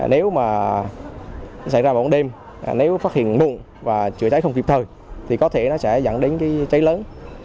nếu mà sẽ ra vào đêm nếu phát hiện mụn và chữa cháy không kịp thời thì có thể nó sẽ dẫn đến cháy lớn